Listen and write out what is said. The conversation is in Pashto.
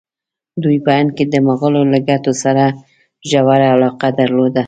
دوی په هند کې د مغولو له ګټو سره ژوره علاقه درلوده.